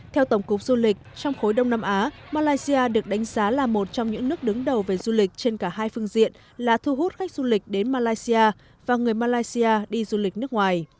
theo tổng cục du lịch trong khối đông nam á malaysia được đánh giá là một trong những nước đứng đầu về du lịch trên cả hai phương diện là thu hút khách du lịch đến malaysia và người malaysia đi du lịch nước ngoài